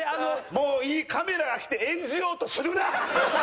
もういいカメラが来て演じようとするな！